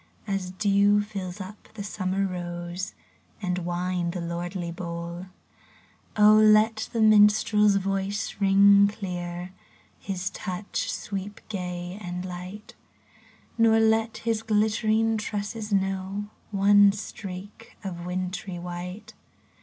As dew fills up the summer rose And wine the lordly bowl ! let the minstrePs voice ring clear. His touch sweep gay and light; Nor let his glittering tresses know One streak of wintry white.